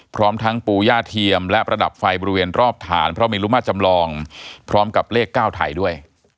พร้อมทั้งปูย่าเทียมและประดับไฟบริเวณรอบฐานพระมิลุมาตรจำลองพร้อมกับเลข๙ไทยด้วย